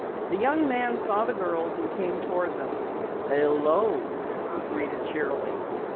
The young man saw the girls and came toward them. "Hello," he greeted cheerily.